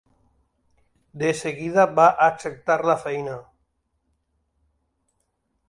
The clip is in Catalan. De seguida va acceptar la feina.